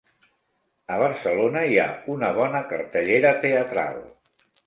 A Barcelona hi ha una bona cartellera teatral.